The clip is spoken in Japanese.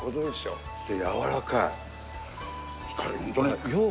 やわらかい。